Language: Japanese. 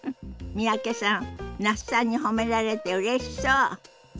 三宅さん那須さんに褒められてうれしそう。